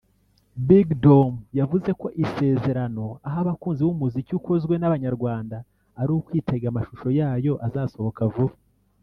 Big Dom yavuze ko isezerano aha abakunzi b’umuziki ukozwe n’Abanyarwanda ari ukwitega amashusho yayo azasohoka vuba